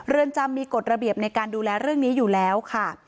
เรือนจำมีกฎระเบียบในการดูแลเรื่องนี้อยู่แล้วค่ะ